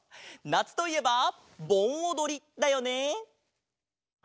なつといえばぼんおどりだよね。